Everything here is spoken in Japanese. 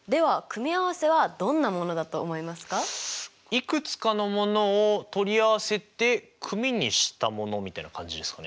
いくつかのものを取り合わせて組にしたものみたいな感じですかね？